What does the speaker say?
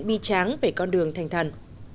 bi tráng về con đường thành thần